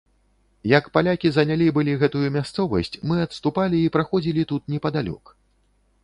Як палякі занялі былі гэтую мясцовасць, мы адступалі і праходзілі тут непадалёк.